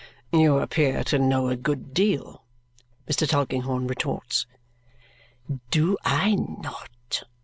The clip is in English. "You appear to know a good deal," Mr. Tulkinghorn retorts. "Do I not?